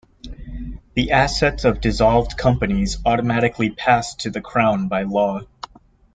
The assets of dissolved companies automatically pass to the Crown by law.